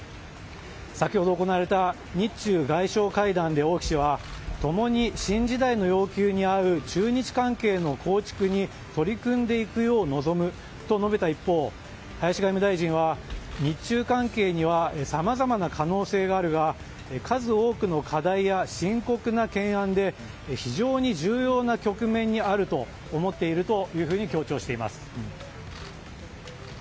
先ほど行われた日中外相会談で王毅氏は共に新時代の要求に合う中日関係の構築に取り組んでいくよう望むと述べた一方林外務大臣は日中関係にはさまざまな可能性があるが数多くの課題や深刻な懸案で非常に重要な局面にあると思っていると強調しています。